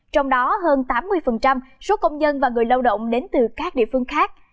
trong đó hơn tám mươi số công nhân và người lao động đến từ các địa phương khác